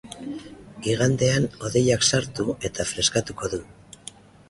Igandean hodeiak sartu eta freskatuko du.